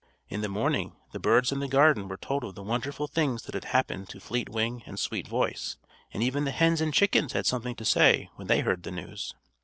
In the morning, the birds in the garden were told of the wonderful things that had happened to Fleet Wing and Sweet Voice; and even the hens and chickens had something to say when they heard the news.